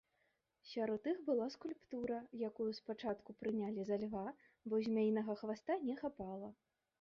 Сярод іх была скульптура, якую спачатку прынялі за льва, бо змяінага хваста не хапала.